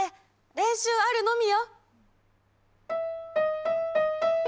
練習あるのみよ！